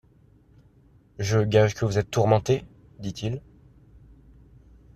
Je gage que vous êtes tourmentée? dit-il.